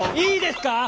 いいですか！